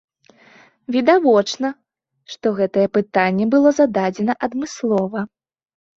Відавочна, што гэтае пытанне было зададзена адмыслова.